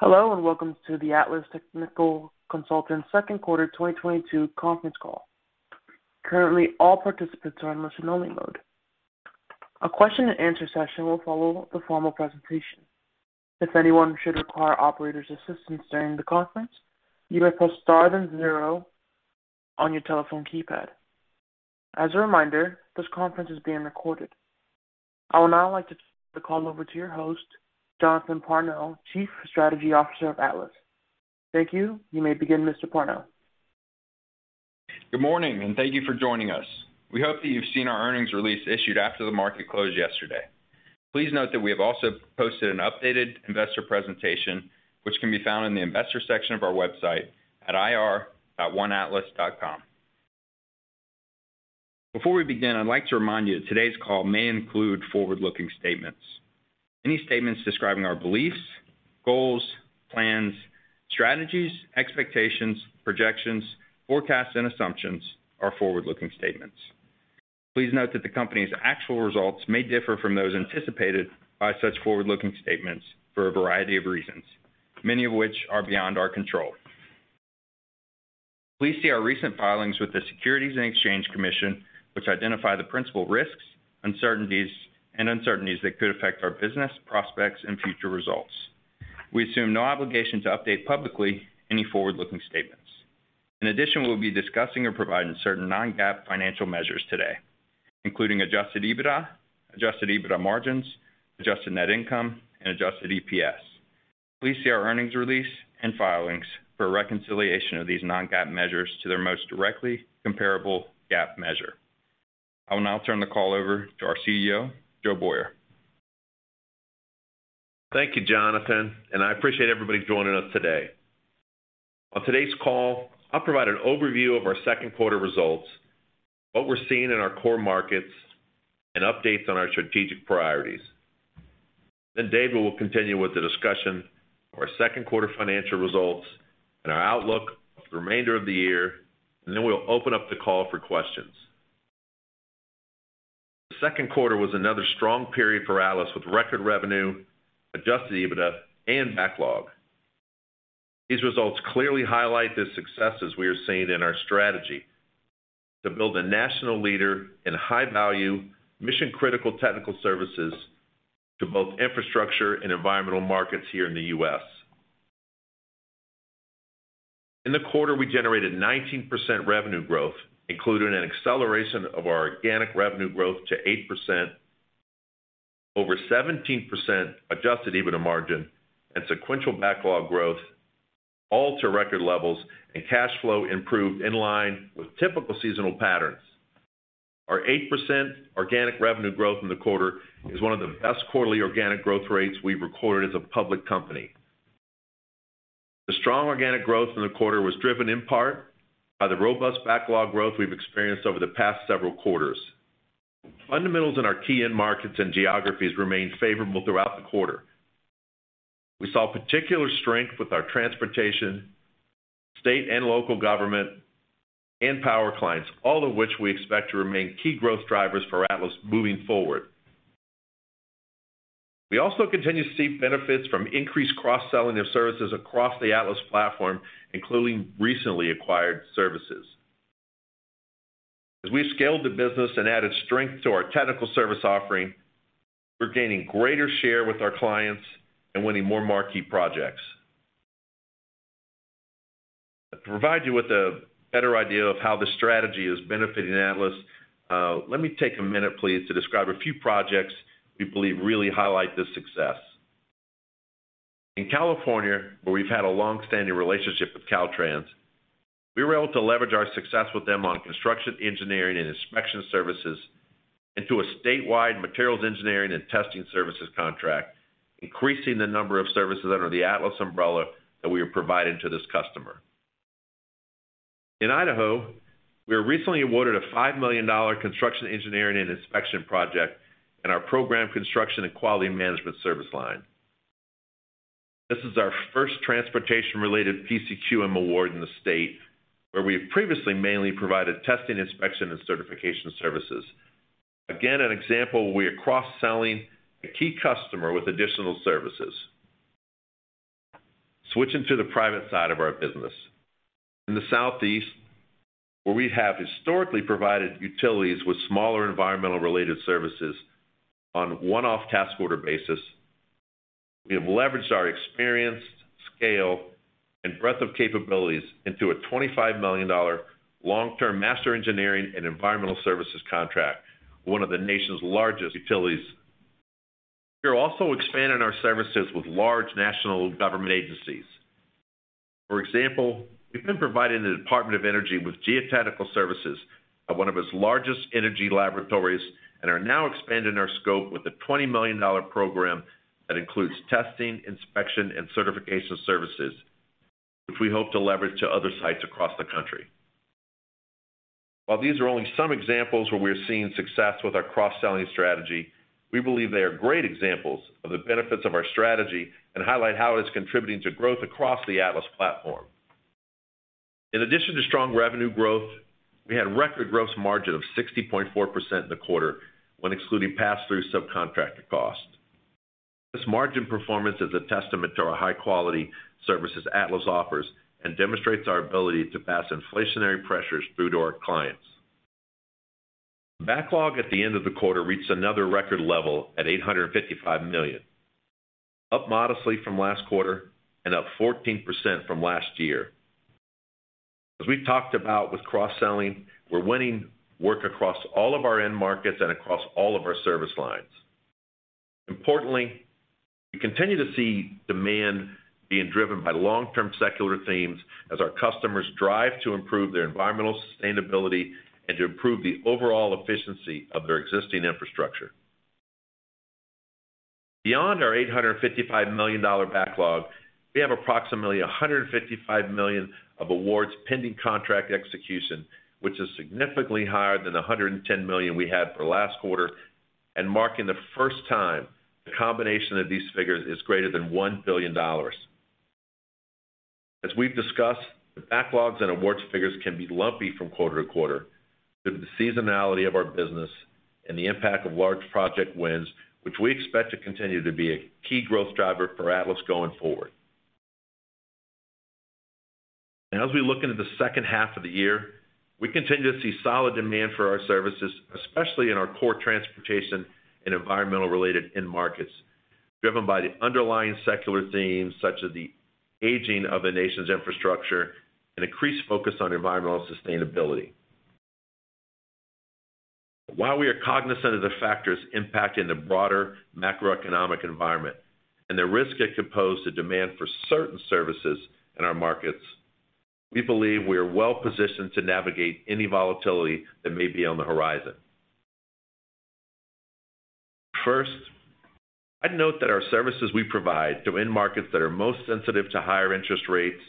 Hello, and welcome to the Atlas Technical Consultants Q2 2022 conference call. Currently, all participants are in listen-only mode. A question and answer session will follow the formal presentation. If anyone should require operator's assistance during the conference, you may press star then zero on your telephone keypad. As a reminder, this conference is being recorded. I would now like to turn the call over to your host, Jonathan Parnell, Chief Strategy Officer of Atlas. Thank you. You may begin, Mr. Parnell. Good morning, and thank you for joining us. We hope that you've seen our earnings release issued after the market closed yesterday. Please note that we have also posted an updated investor presentation which can be found in the investor section of our website at ir.oneatlas.com. Before we begin, I'd like to remind you that today's call may include forward-looking statements. Any statements describing our beliefs, goals, plans, strategies, expectations, projections, forecasts, and assumptions are forward-looking statements. Please note that the company's actual results may differ from those anticipated by such forward-looking statements for a variety of reasons, many of which are beyond our control. Please see our recent filings with the Securities and Exchange Commission, which identify the principal risks, uncertainties that could affect our business prospects and future results. We assume no obligation to update publicly any forward-looking statements. In addition, we'll be discussing or providing certain non-GAAP financial measures today, including adjusted EBITDA, adjusted EBITDA margins, adjusted net income, and adjusted EPS. Please see our earnings release and filings for a reconciliation of these non-GAAP measures to their most directly comparable GAAP measure. I will now turn the call over to our CEO, Joe Boyer. Thank you, Jonathan, and I appreciate everybody joining us today. On today's call, I'll provide an overview of our Q2 results, what we're seeing in our core markets, and updates on our strategic priorities. Then David will continue with the discussion of our Q2 financial results and our outlook for the remainder of the year, and then we'll open up the call for questions. The Q2 was another strong period for Atlas with record revenue, adjusted EBITDA, and backlog. These results clearly highlight the successes we are seeing in our strategy to build a national leader in high-value, mission-critical technical services to both infrastructure and environmental markets here in the U.S. In the quarter, we generated 19% revenue growth, including an acceleration of our organic revenue growth to 8%, over 17% adjusted EBITDA margin, and sequential backlog growth, all to record levels, and cash flow improved in line with typical seasonal patterns. Our 8% organic revenue growth in the quarter is one of the best quarterly organic growth rates we've recorded as a public company. The strong organic growth in the quarter was driven in part by the robust backlog growth we've experienced over the past several quarters. Fundamentals in our key end markets and geographies remained favorable throughout the quarter. We saw particular strength with our transportation, state and local government, and power clients, all of which we expect to remain key growth drivers for Atlas moving forward. We also continue to see benefits from increased cross-selling of services across the Atlas platform, including recently acquired services. As we've scaled the business and added strength to our technical service offering, we're gaining greater share with our clients and winning more marquee projects. To provide you with a better idea of how this strategy is benefiting Atlas, let me take a minute please to describe a few projects we believe really highlight this success. In California, where we've had a long-standing relationship with Caltrans, we were able to leverage our success with them on construction, engineering, and inspection services into a statewide materials engineering and testing services contract, increasing the number of services under the Atlas umbrella that we are providing to this customer. In Idaho, we were recently awarded a $5 million construction engineering and inspection project in our program construction and quality management service line. This is our first transportation-related PCQM award in the state, where we have previously mainly provided testing, inspection, and certification services. Again, an example where we are cross-selling a key customer with additional services. Switching to the private side of our business. In the Southeast, where we have historically provided utilities with smaller environmental-related services on a one-off task order basis, we have leveraged our experience, scale, and breadth of capabilities into a $25 million long-term master engineering and environmental services contract, one of the nation's largest utilities. We are also expanding our services with large national government agencies. For example, we've been providing the Department of Energy with geotechnical services at one of its largest energy laboratories and are now expanding our scope with a $20 million program that includes testing, inspection, and certification services, which we hope to leverage to other sites across the country. While these are only some examples where we're seeing success with our cross-selling strategy, we believe they are great examples of the benefits of our strategy and highlight how it is contributing to growth across the Atlas platform. In addition to strong revenue growth, we had record gross margin of 60.4% in the quarter when excluding pass-through subcontractor costs. This margin performance is a testament to our high-quality services Atlas offers and demonstrates our ability to pass inflationary pressures through to our clients. Backlog at the end of the quarter reached another record level at $855 million, up modestly from last quarter and up 14% from last year. As we talked about with cross-selling, we're winning work across all of our end markets and across all of our service lines. Importantly, we continue to see demand being driven by long-term secular themes as our customers strive to improve their environmental sustainability and to improve the overall efficiency of their existing infrastructure. Beyond our $855 million backlog, we have approximately $155 million of awards pending contract execution, which is significantly higher than the $110 million we had for last quarter, and marking the first time the combination of these figures is greater than $1 billion. As we've discussed, the backlogs and awards figures can be lumpy from quarter to quarter due to the seasonality of our business and the impact of large project wins, which we expect to continue to be a key growth driver for Atlas going forward. Now as we look into the second half of the year, we continue to see solid demand for our services, especially in our core transportation and environmental-related end markets, driven by the underlying secular themes such as the aging of the nation's infrastructure and increased focus on environmental sustainability. While we are cognizant of the factors impacting the broader macroeconomic environment and the risk it could pose to demand for certain services in our markets, we believe we are well-positioned to navigate any volatility that may be on the horizon. First, I'd note that our services we provide to end markets that are most sensitive to higher interest rates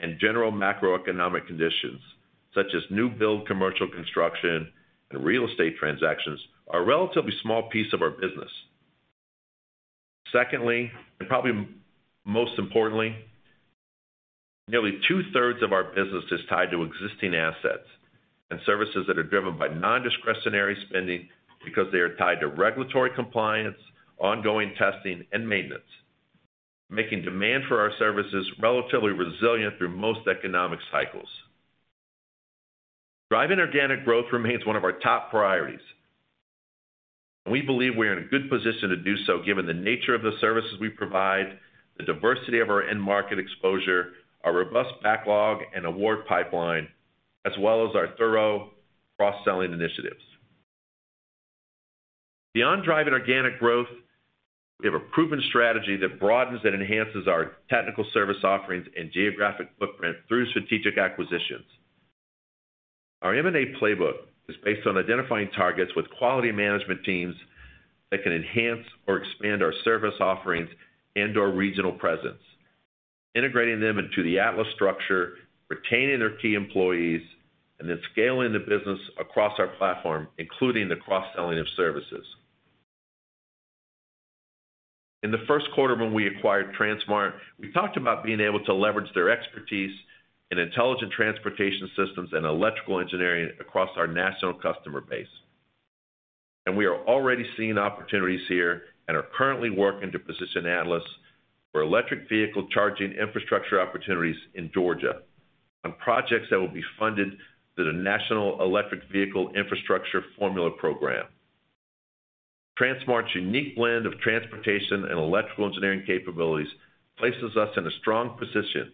and general macroeconomic conditions, such as new build commercial construction and real estate transactions, are a relatively small piece of our business. Secondly, and probably most importantly, nearly two-thirds of our business is tied to existing assets and services that are driven by nondiscretionary spending because they are tied to regulatory compliance, ongoing testing, and maintenance, making demand for our services relatively resilient through most economic cycles. Driving organic growth remains one of our top priorities. We believe we are in a good position to do so, given the nature of the services we provide, the diversity of our end market exposure, our robust backlog and award pipeline, as well as our thorough cross-selling initiatives. Beyond driving organic growth, we have a proven strategy that broadens and enhances our technical service offerings and geographic footprint through strategic acquisitions. Our M&A playbook is based on identifying targets with quality management teams that can enhance or expand our service offerings and/or regional presence, integrating them into the Atlas structure, retaining their key employees, and then scaling the business across our platform, including the cross-selling of services. In the Q1 when we acquired TranSmart, we talked about being able to leverage their expertise in intelligent transportation systems and electrical engineering across our national customer base. We are already seeing opportunities here and are currently working to position Atlas for electric vehicle charging infrastructure opportunities in Georgia on projects that will be funded through the National Electric Vehicle Infrastructure Formula Program. TranSmart's unique blend of transportation and electrical engineering capabilities places us in a strong position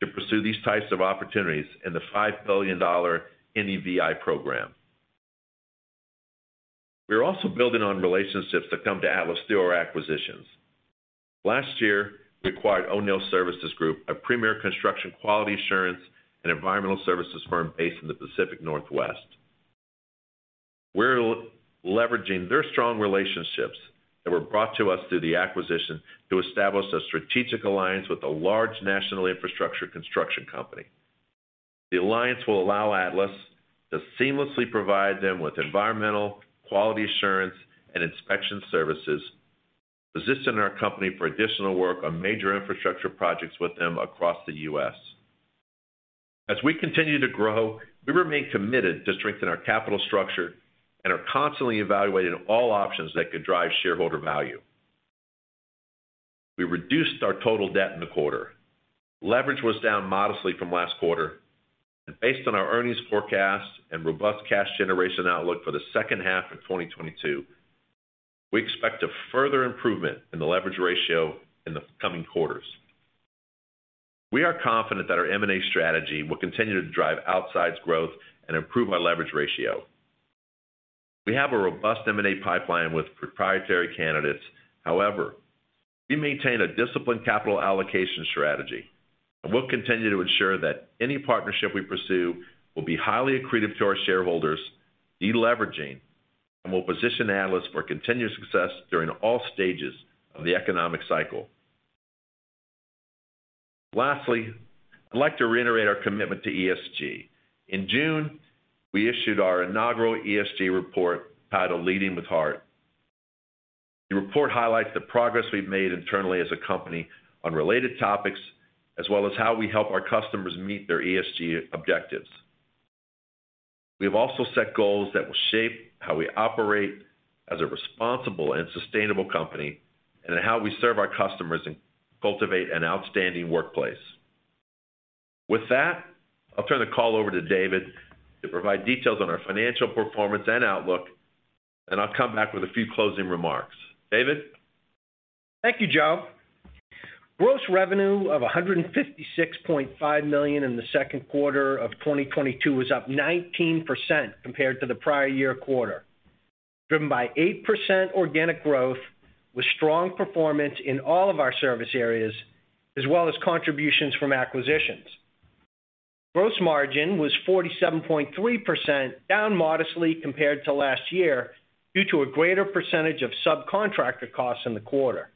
to pursue these types of opportunities in the $5 billion NEVI program. We are also building on relationships that come to Atlas through our acquisitions. Last year, we acquired O'Neill Service Group, a premier construction quality assurance and environmental services firm based in the Pacific Northwest. We're leveraging their strong relationships that were brought to us through the acquisition to establish a strategic alliance with a large national infrastructure construction company. The alliance will allow Atlas to seamlessly provide them with environmental, quality assurance, and inspection services, positioning our company for additional work on major infrastructure projects with them across the U.S. As we continue to grow, we remain committed to strengthen our capital structure and are constantly evaluating all options that could drive shareholder value. We reduced our total debt in the quarter. Leverage was down modestly from last quarter. Based on our earnings forecast and robust cash generation outlook for the second half of 2022, we expect a further improvement in the leverage ratio in the coming quarters. We are confident that our M&A strategy will continue to drive outsized growth and improve our leverage ratio. We have a robust M&A pipeline with proprietary candidates. However, we maintain a disciplined capital allocation strategy, and we'll continue to ensure that any partnership we pursue will be highly accretive to our shareholders, de-leveraging, and will position Atlas for continued success during all stages of the economic cycle. Lastly, I'd like to reiterate our commitment to ESG. In June, we issued our inaugural ESG report titled Leading with Heart. The report highlights the progress we've made internally as a company on related topics, as well as how we help our customers meet their ESG objectives. We have also set goals that will shape how we operate as a responsible and sustainable company, and how we serve our customers and cultivate an outstanding workplace. With that, I'll turn the call over to David to provide details on our financial performance and outlook, and I'll come back with a few closing remarks. David? Thank you, Joe. Gross revenue of $156.5 million in the Q2 of 2022 was up 19% compared to the prior year quarter, driven by 8% organic growth, with strong performance in all of our service areas, as well as contributions from acquisitions. Gross margin was 47.3%, down modestly compared to last year due to a greater percentage of subcontractor costs in the quarter.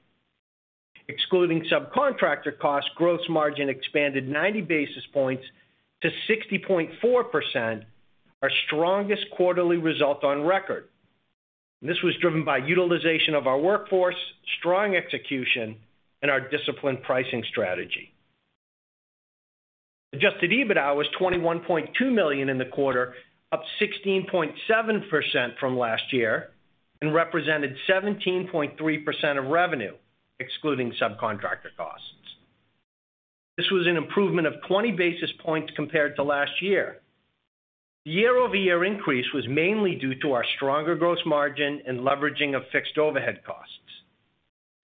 Excluding subcontractor costs, gross margin expanded 90 basis points to 60.4%, our strongest quarterly result on record. This was driven by utilization of our workforce, strong execution, and our disciplined pricing strategy. Adjusted EBITDA was $21.2 million in the quarter, up 16.7% from last year, and represented 17.3% of revenue, excluding subcontractor costs. This was an improvement of 20 basis points compared to last year. The year-over-year increase was mainly due to our stronger gross margin and leveraging of fixed overhead costs.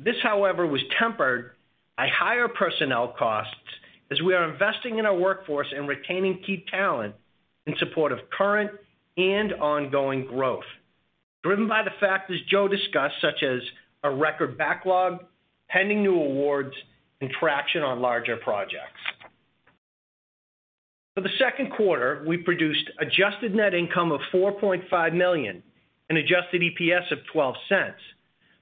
This, however, was tempered by higher personnel costs as we are investing in our workforce and retaining key talent in support of current and ongoing growth, driven by the factors Joe discussed, such as a record backlog, pending new awards, and traction on larger projects. For the Q2, we produced adjusted net income of $4.5 million and adjusted EPS of $0.12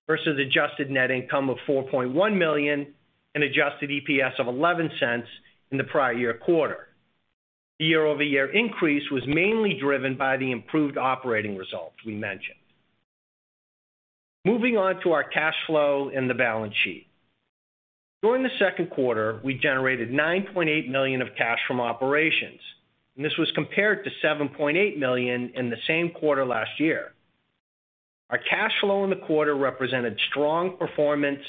versus adjusted net income of $4.1 million and adjusted EPS of $0.11 in the prior year quarter. The year-over-year increase was mainly driven by the improved operating results we mentioned. Moving on to our cash flow and the balance sheet. During the Q2, we generated $9.8 million of cash from operations, and this was compared to $7.8 million in the same quarter last year. Our cash flow in the quarter represented strong performance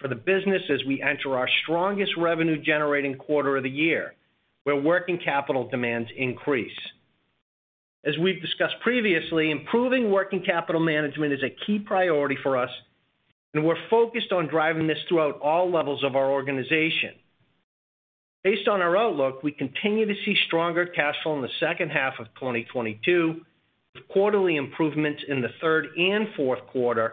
for the business as we enter our strongest revenue-generating quarter of the year, where working capital demands increase. As we've discussed previously, improving working capital management is a key priority for us, and we're focused on driving this throughout all levels of our organization. Based on our outlook, we continue to see stronger cash flow in the second half of 2022, with quarterly improvements in the third and Q4,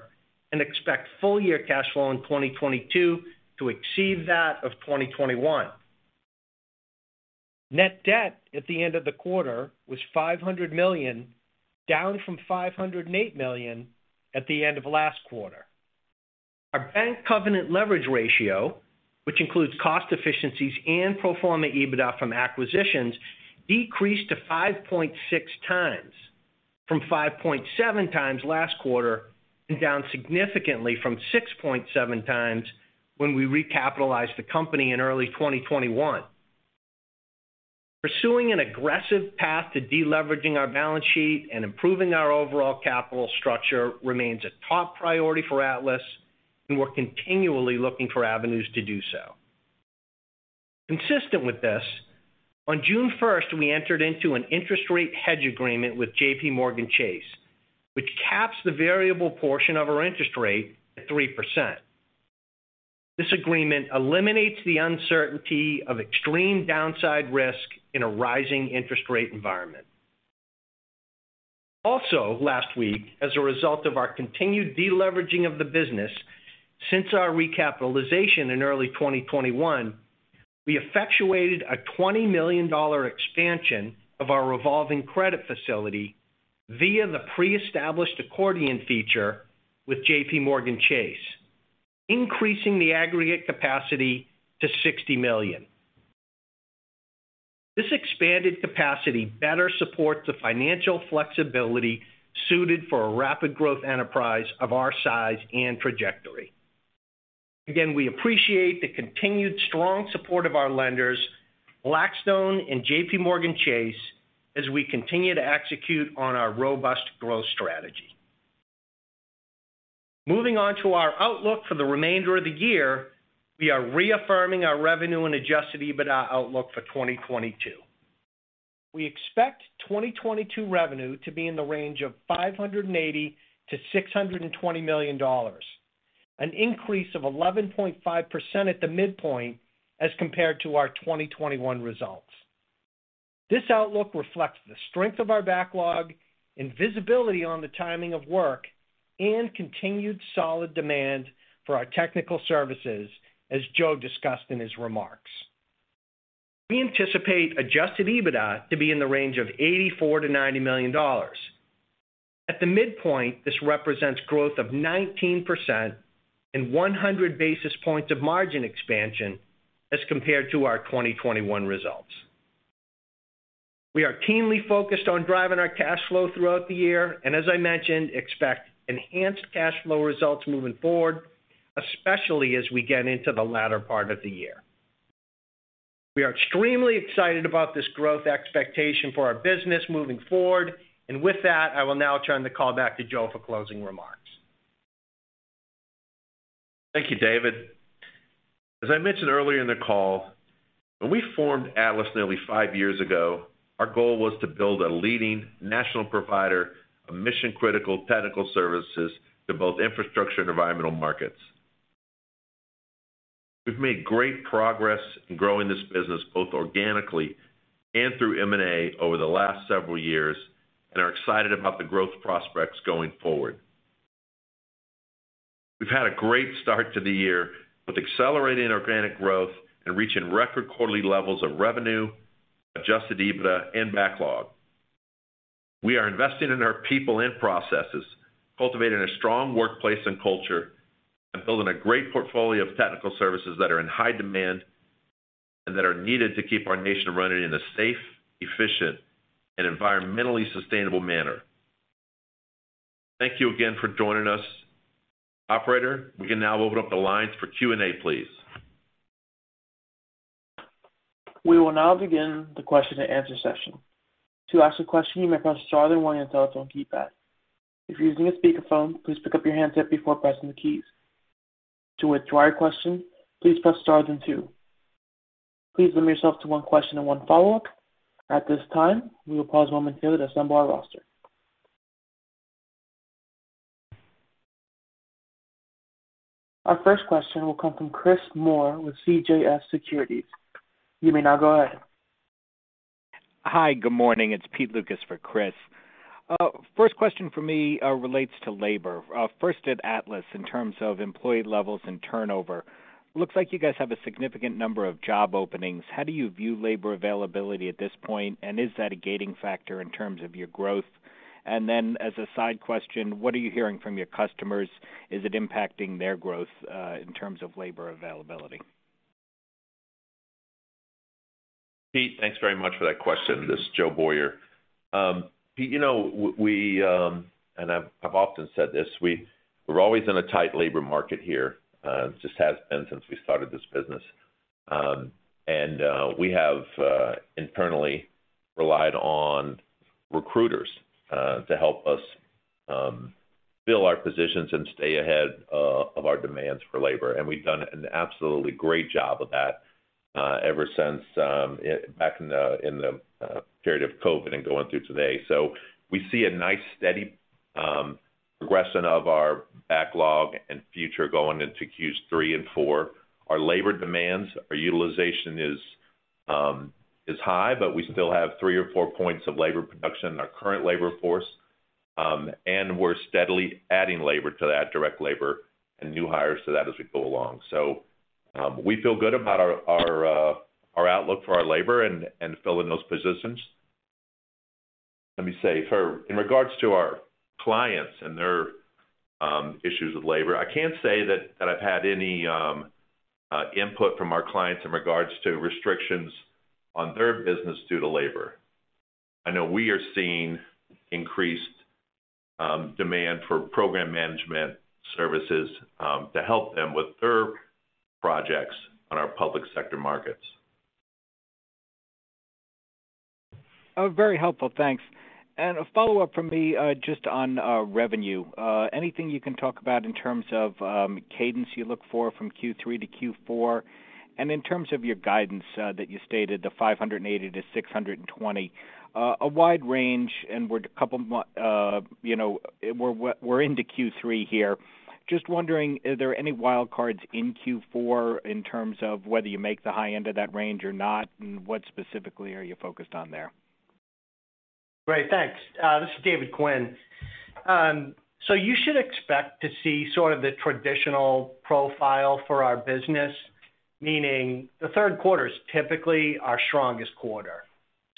and expect full year cash flow in 2022 to exceed that of 2021. Net debt at the end of the quarter was $500 million, down from $508 million at the end of last quarter. Our bank covenant leverage ratio, which includes cost efficiencies and pro forma EBITDA from acquisitions, decreased to 5.6 times from 5.7 times last quarter and down significantly from 6.7 times when we recapitalized the company in early 2021. Pursuing an aggressive path to deleveraging our balance sheet and improving our overall capital structure remains a top priority for Atlas, and we're continually looking for avenues to do so. Consistent with this, on June 1, we entered into an interest rate hedge agreement with JPMorgan Chase, which caps the variable portion of our interest rate at 3%. This agreement eliminates the uncertainty of extreme downside risk in a rising interest rate environment. Also last week, as a result of our continued deleveraging of the business since our recapitalization in early 2021, we effectuated a $20 million expansion of our revolving credit facility via the pre-established accordion feature with JPMorgan Chase, increasing the aggregate capacity to $60 million. This expanded capacity better supports the financial flexibility suited for a rapid growth enterprise of our size and trajectory. Again, we appreciate the continued strong support of our lenders, Blackstone and JPMorgan Chase, as we continue to execute on our robust growth strategy. Moving on to our outlook for the remainder of the year, we are reaffirming our revenue and adjusted EBITDA outlook for 2022. We expect 2022 revenue to be in the range of $580 million-$620 million, an increase of 11.5% at the midpoint as compared to our 2021 results. This outlook reflects the strength of our backlog and visibility on the timing of work and continued solid demand for our technical services, as Joe Boyer discussed in his remarks. We anticipate adjusted EBITDA to be in the range of $84 million-$90 million. At the midpoint, this represents growth of 19% and 100 basis points of margin expansion as compared to our 2021 results. We are keenly focused on driving our cash flow throughout the year, and as I mentioned, expect enhanced cash flow results moving forward, especially as we get into the latter part of the year. We are extremely excited about this growth expectation for our business moving forward. With that, I will now turn the call back to Joe for closing remarks. Thank you, David. As I mentioned earlier in the call, when we formed Atlas nearly five years ago, our goal was to build a leading national provider of mission-critical technical services to both infrastructure and environmental markets. We've made great progress in growing this business, both organically and through M&A over the last several years, and are excited about the growth prospects going forward. We've had a great start to the year with accelerating organic growth and reaching record quarterly levels of revenue, adjusted EBITDA and backlog. We are investing in our people and processes, cultivating a strong workplace and culture, and building a great portfolio of technical services that are in high demand and that are needed to keep our nation running in a safe, efficient, and environmentally sustainable manner. Thank you again for joining us. Operator, we can now open up the lines for Q&A, please. We will now begin the question and answer session. To ask a question, you may press star then one on your telephone keypad. If you're using a speakerphone, please pick up your handset before pressing the keys. To withdraw your question, please press stars and two. Please limit yourself to one question and one follow-up. At this time, we will pause one moment here to assemble our roster. Our first question will come from Chris Moore with CJS Securities. You may now go ahead. Hi. Good morning, it's Pete Lucas for Chris. First question from me relates to labor. First at Atlas in terms of employee levels and turnover. Looks like you guys have a significant number of job openings. How do you view labor availability at this point, and is that a gating factor in terms of your growth? As a side question, what are you hearing from your customers? Is it impacting their growth in terms of labor availability? Pete, thanks very much for that question. This is Joe Boyer. pete I've often said this. We're always in a tight labor market here. It just has been since we started this business. We have internally relied on recruiters to help us fill our positions and stay ahead of our demands for labor. We've done an absolutely great job of that ever since back in the period of COVID and going through today. We see a nice, steady progression of our backlog and future going into Q3 and Q4. Our labor demands, our utilization is high, but we still have three or four points of labor production in our current labor force. We're steadily adding labor to that direct labor and new hires to that as we go along. We feel good about our outlook for our labor and filling those positions. Let me say, in regards to our clients and their issues with labor, I can't say that I've had any input from our clients in regards to restrictions on their business due to labor. I know we are seeing increased demand for program management services to help them with their projects on our public sector markets. Very helpful. Thanks. A follow-up from me, just on revenue. Anything you can talk about in terms of cadence you look for from Q3 to Q4, and in terms of your guidance that you stated, the $580-$620. A wide range, and we're into Q3 here. Just wondering, are there any wild cards in Q4 in terms of whether you make the high end of that range or not, and what specifically are you focused on there? Great, thanks. This is David Quinn. You should expect to see sort of the traditional profile for our business, meaning the Q3 is typically our strongest quarter.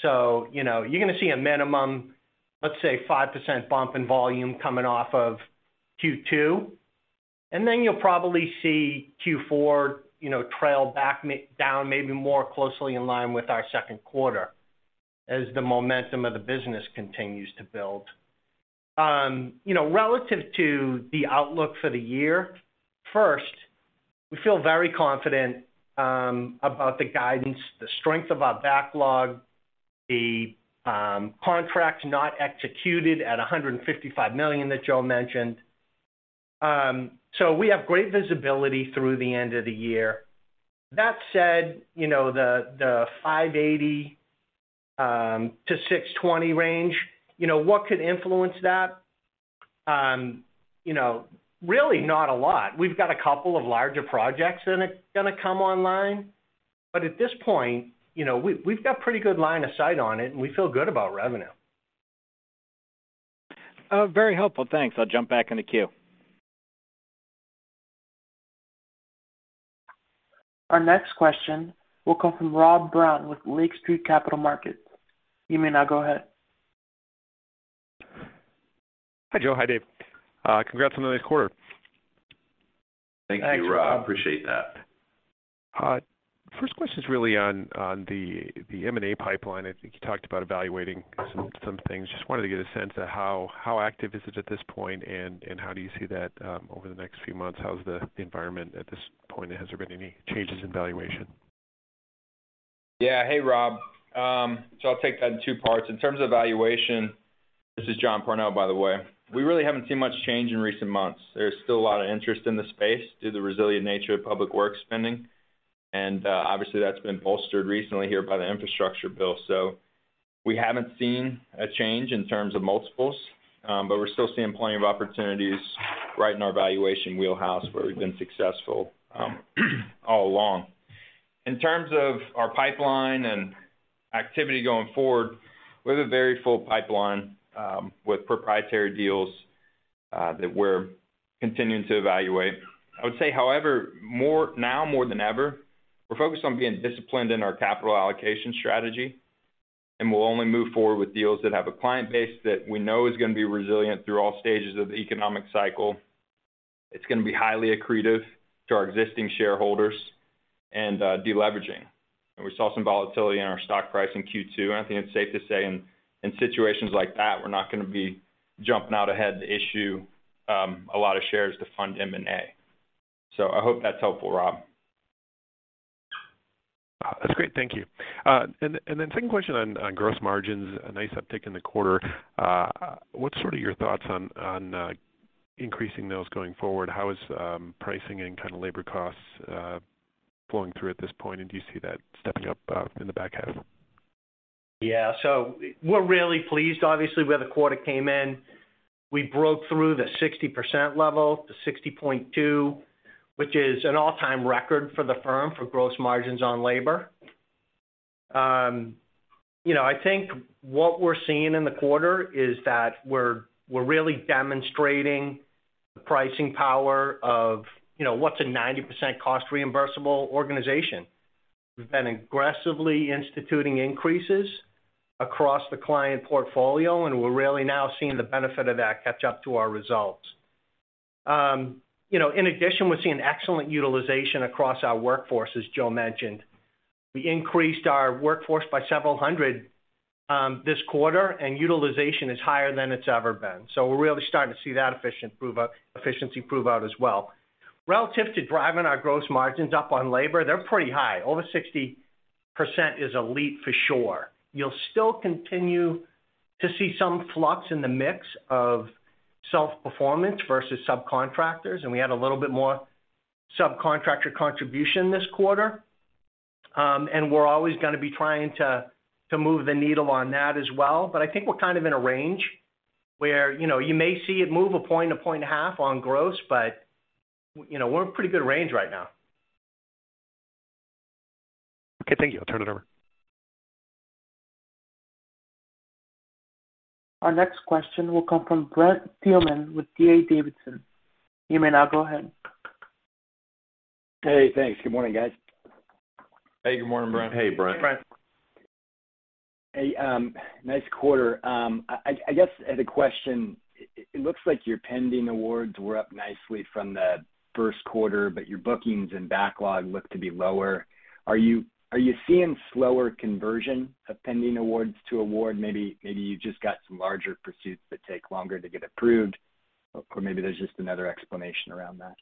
You're going to see a minimum, let's say, 5% bump in volume coming off of Q2, and then you'll probably see q4 trail back down maybe more closely in line with our Q2 as the momentum of the business continues to build. Relative to the outlook for the year, first, we feel very confident about the guidance, the strength of our backlog, the contracts not executed at $155 million that Joe mentioned. We have great visibility through the end of the year. That said the $580-$620 range what could influence that? really not a lot. We've got a couple of larger projects that are going to come online, but at this point we've got pretty good line of sight on it, and we feel good about revenue. Very helpful. Thanks. I'll jump back in the queue. Our next question will come from Rob Brown with Lake Street Capital Markets. You may now go ahead. Hi, Joe. Hi, David. Congrats on a nice quarter. Thank you, Rob. Thanks. Appreciate that. First question is really on the M&A pipeline. I think you talked about evaluating some things. Just wanted to get a sense of how active is it at this point, and how do you see that over the next few months? How's the environment at this point? Has there been any changes in valuation? Yeah. Hey, Rob. I'll take that in two parts. In terms of valuation, this is Jonathan Parnell, by the way, we really haven't seen much change in recent months. There's still a lot of interest in the space due to the resilient nature of public works spending, and obviously, that's been bolstered recently here by the infrastructure bill. We haven't seen a change in terms of multiples, but we're still seeing plenty of opportunities right in our valuation wheelhouse where we've been successful all along. In terms of our pipeline and activity going forward, we have a very full pipeline with proprietary deals that we're continuing to evaluate. I would say, however, more now more than ever, we're focused on being disciplined in our capital allocation strategy, and we'll only move forward with deals that have a client base that we know is going to be resilient through all stages of the economic cycle. It's going to be highly accretive to our existing shareholders and de-leveraging. We saw some volatility in our stock price in Q2, and I think it's safe to say in situations like that, we're not going to be jumping out ahead to issue a lot of shares to fund M&A. I hope that's helpful, Rob. That's great. Thank you. Second question on gross margins, a nice uptick in the quarter. What's sort of your thoughts on increasing those going forward? How is pricing and kind of labor costs flowing through at this point? Do you see that stepping up in the back half? Yeah. We're really pleased, obviously, where the quarter came in. We broke through the 60% level to 60.2%, which is an all-time record for the firm for gross margins on labor. I think what we're seeing in the quarter is that we're really demonstrating the pricing power of what's a 90% cost reimbursable organization. We've been aggressively instituting increases across the client portfolio, and we're really now seeing the benefit of that catch up to our results. In addition, we're seeing excellent utilization across our workforce, as Joe mentioned. We increased our workforce by several hundred this quarter, and utilization is higher than it's ever been. We're really starting to see that efficiency prove out as well. Relative to driving our gross margins up on labor, they're pretty high. Over 60% is a leap for sure. You'll still continue to see some flux in the mix of self-performance versus subcontractors, and we had a little bit more subcontractor contribution this quarter. We're always going to be trying to move the needle on that as well. I think we're kind of in a range where you may see it move a point half on gross, but we're in pretty good range right now. Okay, thank you. I'll turn it over. Our next question will come from Brent Thielman with D.A. Davidson. You may now go ahead. Hey, thanks. Good morning, guys. Hey, good morning, Brent. Hey, Brent. Brent. Hey, nice quarter. I guess as a question, it looks like your pending awards were up nicely from the Q1, but your bookings and backlog look to be lower. Are you seeing slower conversion of pending awards to award? Maybe you just got some larger pursuits that take longer to get approved, or maybe there's just another explanation around that.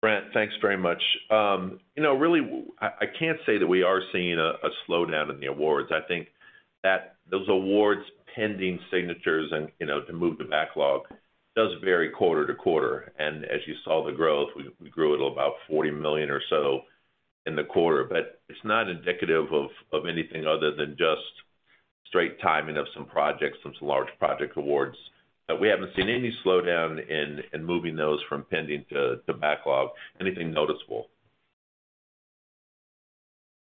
Brent, thanks very much. Really, I can't say that we are seeing a slowdown in the awards. I think that those awards pending signatures and to move to backlog does vary quarter to quarter. As you saw the growth, we grew at about $40 million or so in the quarter. It's not indicative of anything other than just straight timing of some projects, some large project awards. We haven't seen any slowdown in moving those from pending to backlog, anything noticeable.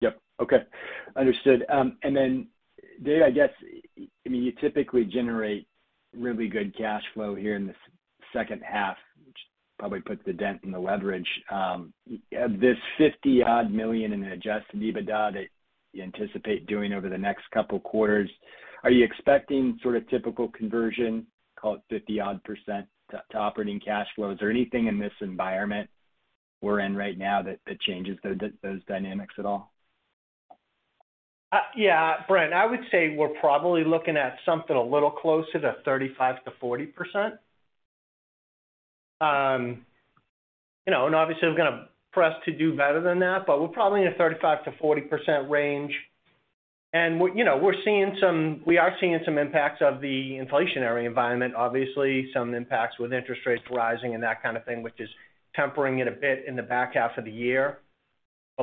Yep. Okay. Understood. David, I guess, I mean, you typically generate really good cash flow here in the second half, which probably puts the dent in the leverage. Of this $50-odd million in adjusted EBITDA that you anticipate doing over the next couple quarters, are you expecting sort of typical conversion, call it 50-odd% to operating cash flows? Or anything in this environment we're in right now that changes those dynamics at all? Yeah, Brent, I would say we're probably looking at something a little closer to 35%-40%. Obviously, we're going to press to do better than that, but we're probably in a 35%-40% range. We are seeing some impacts of the inflationary environment, obviously. Some impacts with interest rates rising and that kind of thing, which is tempering it a bit in the back half of the year.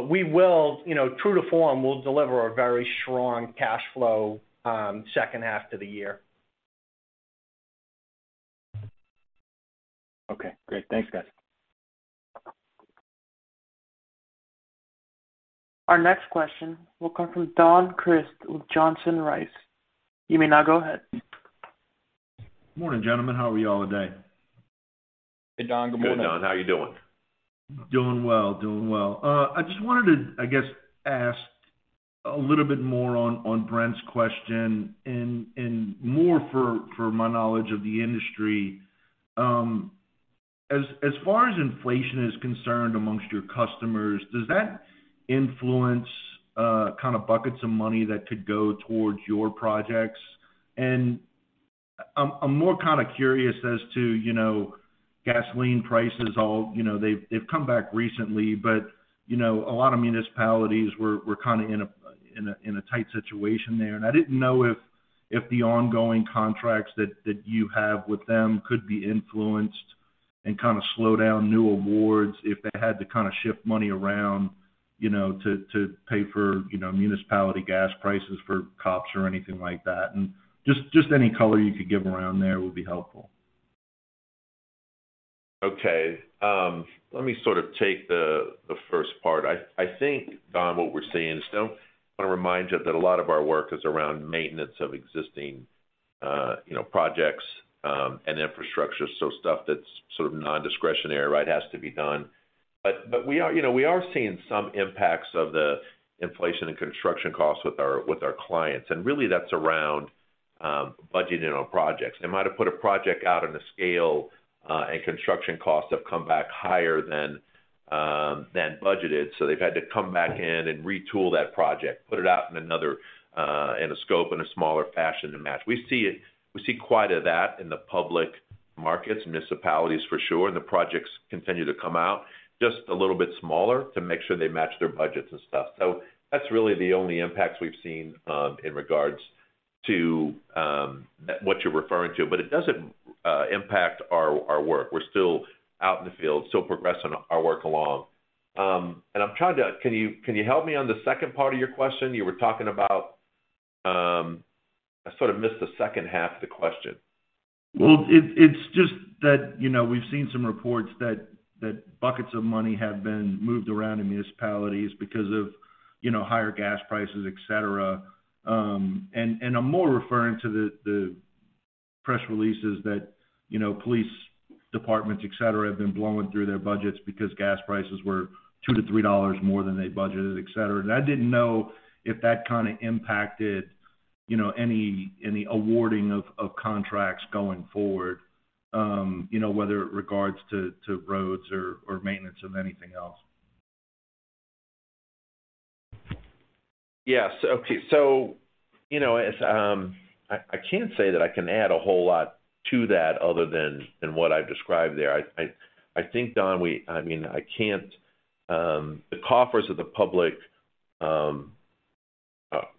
We will true to form, we'll deliver a very strong cash flow, second half of the year. Okay, great. Thanks, guys. Our next question will come from Don Crist with Johnson Rice. You may now go ahead. Morning, gentlemen. How are you all today? Hey, Don. Good morning. Good, Don. How you doing? Doing well. I just wanted to, I guess, ask a little bit more on Brent's question and more for my knowledge of the industry. As far as inflation is concerned among your customers, does that influence kind of buckets of money that could go towards your projects? I'm more kind of curious as to gasoline prices. They've come back recently, but a lot of municipalities were kinda in a tight situation there. I didn't know if the ongoing contracts that you have with them could be influenced and kinda slow down new awards if they had to kinda shift money around to pay for municipality gas prices for cops or anything like that. Just any color you could give around there would be helpful. Okay. Let me sort of take the first part. I think, Don, what we're seeing is I don't want to remind you that a lot of our work is around maintenance of existing projects, and infrastructure, so stuff that's sort of non-discretionary, right? Has to be done. we are seeing some impacts of the inflation and construction costs with our clients, and really that's around budgeting on projects. They might have put a project out on a scale, and construction costs have come back higher than budgeted, so they've had to come back in and retool that project, put it out in another, in a scope, in a smaller fashion to match. We see quite a bit of that in the public markets, municipalities for sure, and the projects continue to come out just a little bit smaller to make sure they match their budgets and stuff. That's really the only impacts we've seen in regards to what you're referring to. It doesn't impact our work. We're still out in the field, still progressing our work along. I'm trying to. Can you help me on the second part of your question? You were talking about. I sort of missed the second half of the question. Well, it's just that we've seen some reports that buckets of money have been moved around in municipalities because of higher gas prices, et cetera. I'm more referring to the press releases that police departments, et cetera, have been blowing through their budgets because gas prices were $2-$3 more than they budgeted, et cetera. I didn't know if that kinda impacted any awarding of contracts going forward whether it regards to roads or maintenance of anything else. Yes. Okay. As I can't say that I can add a whole lot to that other than what I've described there. I think, Don, I mean the coffers of the public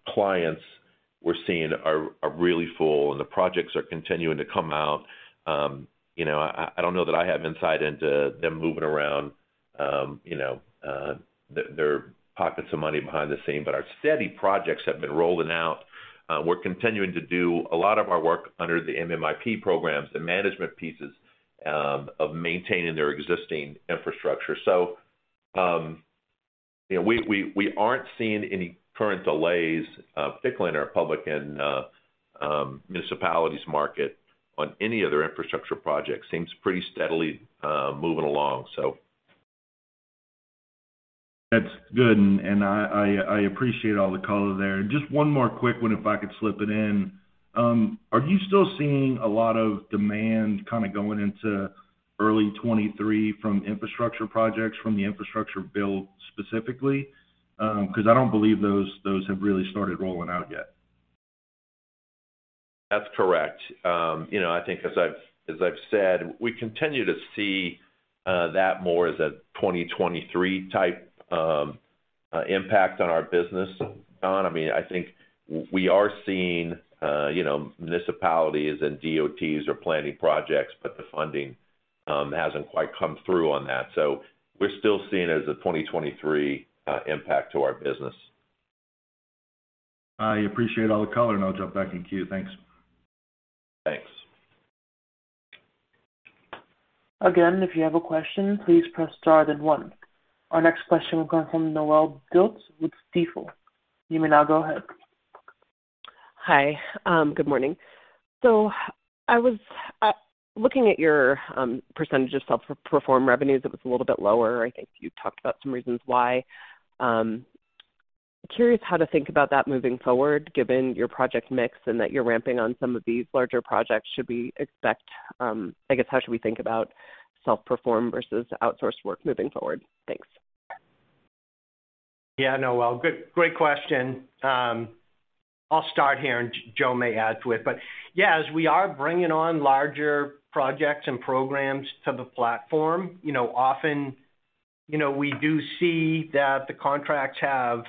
clients we're seeing are really full, and the projects are continuing to come out. I don't know that I have insight into them moving around their pockets of money behind the scenes. Our steady projects have been rolling out. We're continuing to do a lot of our work under the MMIP programs, the management pieces of maintaining their existing infrastructure. We aren't seeing any current delays, particularly in our public and municipalities market on any other infrastructure projects. Seems pretty steadily moving along so. That's good, and I appreciate all the color there. Just one more quick one if I could slip it in. Are you still seeing a lot of demand kinda going into early 2023 from infrastructure projects from the infrastructure bill specifically? 'Cause I don't believe those have really started rolling out yet. That's correct. I think as I've said, we continue to see that more as a 2023 type impact on our business, Don. I mean, I think we are seeing municipalities and DOTs are planning projects, but the funding hasn't quite come through on that. We're still seeing it as a 2023 impact to our business. I appreciate all the color, and I'll jump back in queue. Thanks. Thanks. Again, if you have a question, please press star then one. Our next question will come from Noelle Dilts with Stifel. You may now go ahead. Hi. Good morning. I was looking at your percentage of self-performed revenues. It was a little bit lower. I think you talked about some reasons why. Curious how to think about that moving forward, given your project mix and that you're ramping on some of these larger projects. Should we expect? I guess, how should we think about self-perform versus outsourced work moving forward? Thanks. Yeah, Noelle. Great question. I'll start here, and Joe may add to it. Yeah, as we are bringing on larger projects and programs to the platform often we do see that the contracts have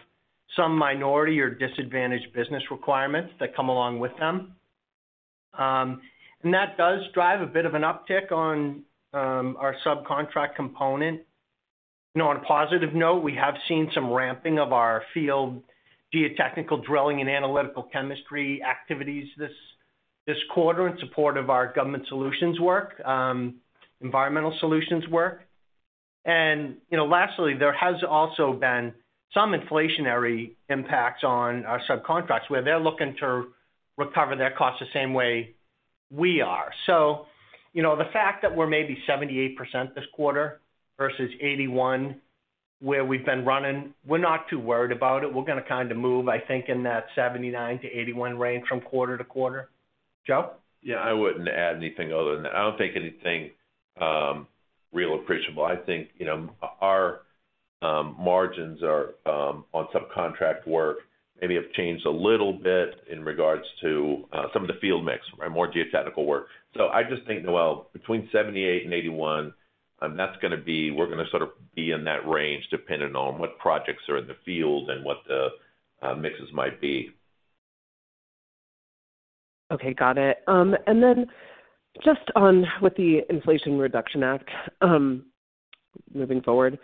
some minority or disadvantaged business requirements that come along with them. And that does drive a bit of an uptick on our subcontract component. On a positive note, we have seen some ramping of our field geotechnical drilling and analytical chemistry activities this quarter in support of our government solutions work, environmental solutions work. lastly, there has also been some inflationary impacts on our subcontracts, where they're looking to recover their costs the same way we are. The fact that we're maybe 78% this quarter versus 81%, where we've been running, we're not too worried about it. We're going to kinda move, I think, in that 79%-81% range from quarter to quarter. Joe? Yeah, I wouldn't add anything other than that. I don't think anything real appreciable. I think our margins are on subcontract work maybe have changed a little bit in regards to some of the field mix, right, more geotechnical work. I just think, Noelle, between 78% and 81%, we're going to sort of be in that range depending on what projects are in the field and what the mixes might be. Okay, got it. Just on with the Inflation Reduction Act, moving forward,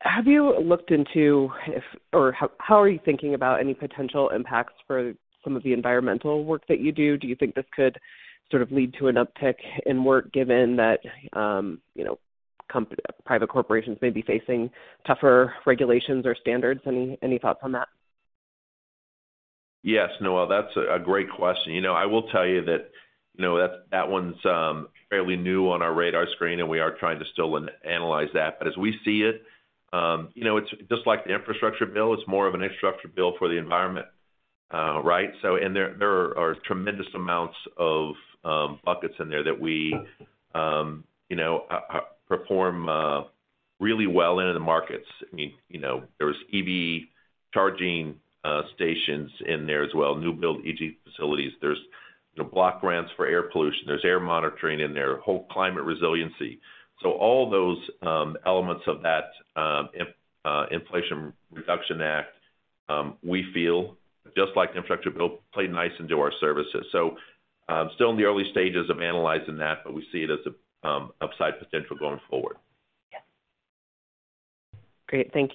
have you looked into if or how are you thinking about any potential impacts for some of the environmental work that you do? Do you think this could sort of lead to an uptick in work given that private corporations may be facing tougher regulations or standards? Any thoughts on that? Yes, Noelle, that's a great question. I will tell you that that one's fairly new on our radar screen, and we are trying to still analyze that. But as we see it it's just like the infrastructure bill, it's more of an infrastructure bill for the environment, right? There are tremendous amounts of buckets in there that we perform really well in the markets. I mean there's EV charging stations in there as well, new build EV facilities. Block grants for air pollution. There's air monitoring in there, whole climate resiliency. All those elements of that Inflation Reduction Act, we feel, just like the infrastructure bill, play nice into our services. Still in the early stages of analyzing that, but we see it as upside potential going forward. Great. Thank you.